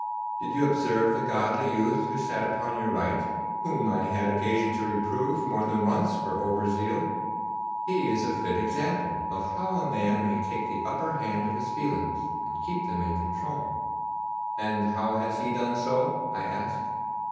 Did you observe the godly youth who sat upon your right, whom I had occasion to reprove more than once for over zeal? He is a fit example of how a man may take the upper hand of his feelings, and keep them in control.' 'And how has he done so?' I asked.